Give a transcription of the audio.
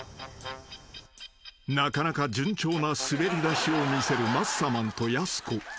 ［なかなか順調な滑り出しを見せるマッサマンとやす子］